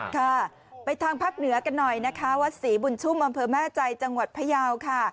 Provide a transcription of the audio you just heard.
ค่ะไปทางภาคเหนือกันหน่อยนะคะวัดศรีบุญชุ่มอำเภอแม่ใจจังหวัดพยาวค่ะ